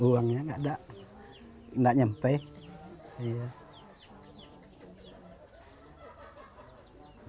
uangnya tidak ada tidak sampai